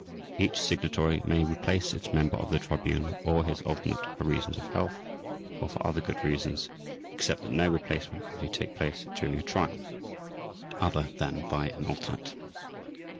Each Signatory may replace its member of the Tribunal or his alternate for reasons of health or for other good reasons, except that no replacement may take place during a Trial, other than by an alternate.